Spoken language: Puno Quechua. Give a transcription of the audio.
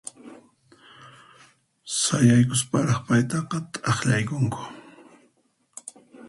Sayaykusparaq paytaqa t'aqllaykunku.